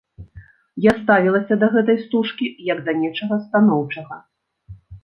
Я ставілася да гэтай стужкі, як да нечага станоўчага.